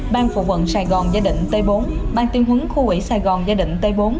ban phụ vận sài gòn gia đình t bốn ban tiên huấn khu ủy sài gòn gia đình t bốn